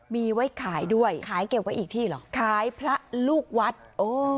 มีไว้ขายด้วยขายเก็บไว้อีกที่เหรอขายพระลูกวัดโอ้